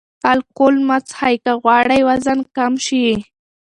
الکول مه څښئ که غواړئ وزن کم شي.